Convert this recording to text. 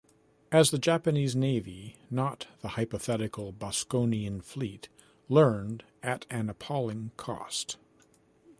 As the Japanese Navy-not the hypothetical Boskonian fleet-learned at an appalling cost.